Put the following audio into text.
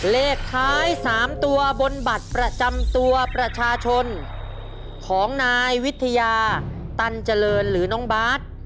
เลขท้าย๓ตัวบนบัตรประจำตัวประชาชนของนายวิทยาตันเจริญหรือน้องบาท